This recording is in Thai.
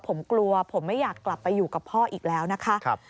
ผมกลัวผมไม่อยากกลับไปอยู่กับพ่ออีกแล้วนะคะ